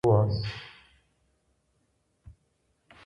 وإخوان تخذتهم دروعا